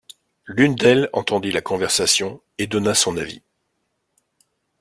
L’une d’elle entendit la conversation et donna son avis.